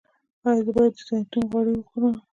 ایا زه باید د زیتون غوړي وخورم؟